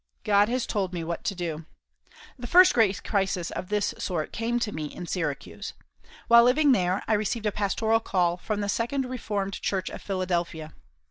God has told me what to do. The first great crisis of this sort came to me in Syracuse. While living there I received a pastoral call from the Second Reformed Church of Philadelphia.